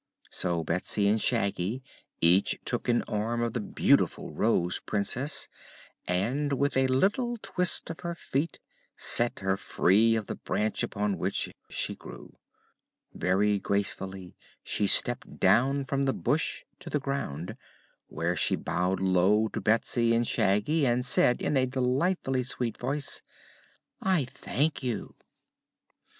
So Betsy and Shaggy each took an arm of the beautiful Rose Princess and a little twist of her feet set her free of the branch upon which she grew. Very gracefully she stepped down from the bush to the ground, where she bowed low to Betsy and Shaggy and said in a delightfully sweet voice: "I thank you."